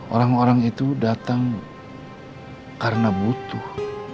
orang orang itu datang karena butuh